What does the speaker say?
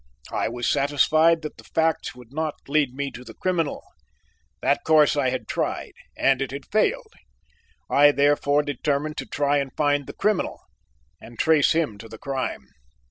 I was satisfied that the facts would not lead me to the criminal: that course I had tried, and it had failed. I therefore determined to try and find the criminal and trace him to the crime.